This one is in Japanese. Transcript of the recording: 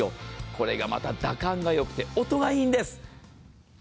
これがまた、打感がよくて、音がいいんです。